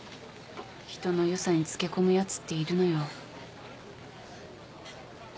人の良さにつけ込むやつっているのよ。